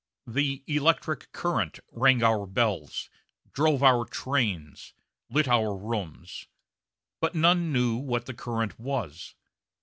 The "electric current" rang our bells, drove our trains, lit our rooms, but none knew what the current was.